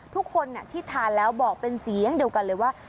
ทุกคนที่ทานแล้วบอกเป็นเสียงเดียวกันเลยว่า